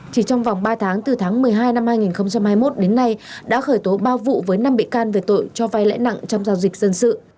chỉ trong vòng ba tháng từ tháng một mươi hai năm hai nghìn hai mươi một đến nay đã khởi tố ba vụ với năm bị can về tội cho vai lãi nặng trong giao dịch dân sự